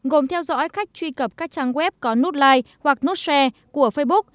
gồm theo dõi khách truy cập các trang web có nút like hoặc nút share của facebook